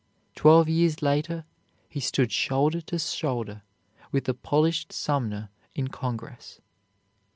Twelve years later he stood shoulder to shoulder with the polished Sumner in Congress.